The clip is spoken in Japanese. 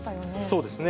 そうですね。